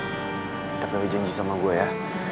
tetep nabi janji sama gue ya